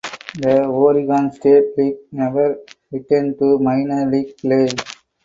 The Oregon State League never returned to minor league play.